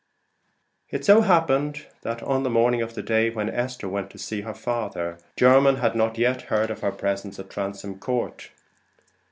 It so happened that, on the morning of the day when Esther went to see her father, Jermyn had not yet heard of her presence at Transome Court.